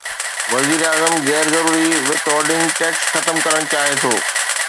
وزيراعظم غير ضروري ود هولڊنگ ٽيڪس ختم ڪرڻ چاهي ٿو